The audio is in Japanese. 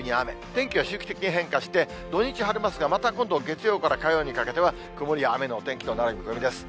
天気は周期的に変化して、土日晴れますが、また今度、月曜から火曜にかけては、曇りや雨のお天気となる見込みです。